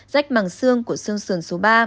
rách màng xương của xương sườn số ba